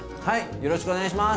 よろしくお願いします。